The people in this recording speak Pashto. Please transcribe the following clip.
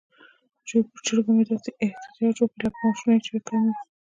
چرګو مې داسې احتجاج کړی لکه معاشونه یې چې کم وي.